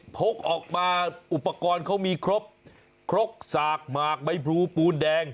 พกออกมาอุปกรณ์เขามีครบครกสากหมากใบพลูปูนแดง